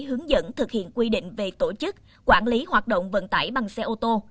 hướng dẫn thực hiện quy định về tổ chức quản lý hoạt động vận tải bằng xe ô tô